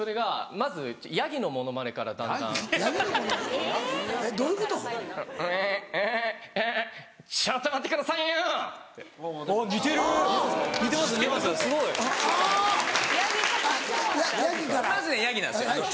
まずヤギなんですよ。